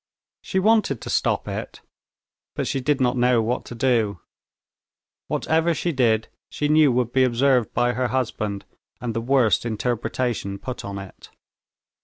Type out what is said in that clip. She wanted to stop it, but she did not know what to do. Whatever she did she knew would be observed by her husband, and the worst interpretation put on it.